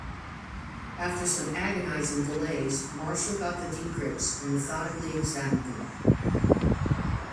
After some agonizing delays, Marshall got the decrypts and methodically examined them.